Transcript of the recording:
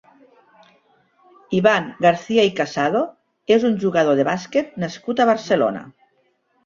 Ivan Garcia i Casado és un jugador de bàsquet nascut a Barcelona.